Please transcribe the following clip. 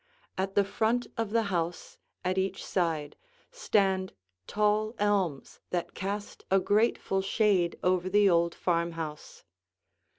At the front of the house at each side stand tall elms that cast a grateful shade over the old farmhouse.